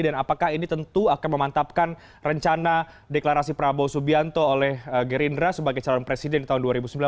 dan apakah ini tentu akan memantapkan rencana deklarasi prabowo subianto oleh gerindra sebagai calon presiden di tahun dua ribu sembilan belas